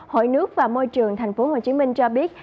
hội nước và môi trường thành phố hồ chí minh cho biết